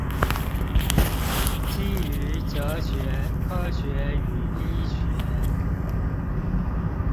基於哲學、科學與醫學